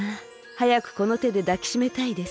はやくこのてでだきしめたいです。